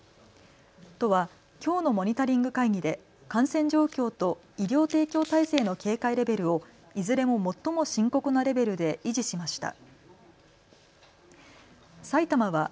都はきょうのモニタリング会議で感染状況と医療提供体制の警戒レベルをいずれも最も深刻なレベルで維持しました。